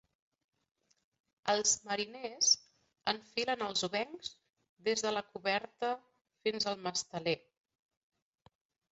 Els mariners enfilen els obencs des de la coberta fins al masteler.